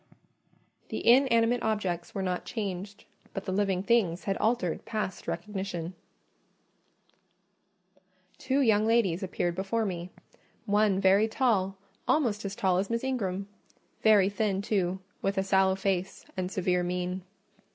The inanimate objects were not changed; but the living things had altered past recognition. Two young ladies appeared before me; one very tall, almost as tall as Miss Ingram—very thin too, with a sallow face and severe mien.